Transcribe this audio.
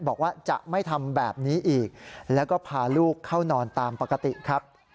บอกว่าจะไม่ทำแบบนี้อีกแล้วก็พาลูกเข้านอนตามปกติครับ